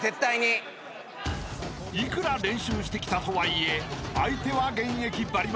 ［いくら練習してきたとはいえ相手は現役バリバリ］